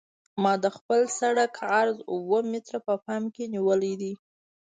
ما د خپل سرک عرض اوه متره په پام کې نیولی دی